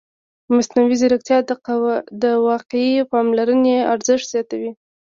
مصنوعي ځیرکتیا د وقایوي پاملرنې ارزښت زیاتوي.